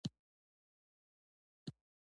د ستوري رڼا تل زموږ له سترګو ډیره فاصله لري.